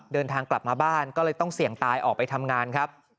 เดินทางกลับมาบ้านก็เลยต้องเสี่ยงตายออกไปทำงานครับ